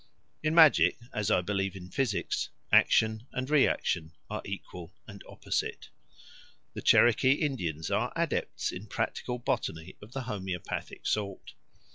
In magic, as I believe in physics, action and reaction are equal and opposite. The Cherokee Indians are adepts in practical botany of the homoeopathic sort.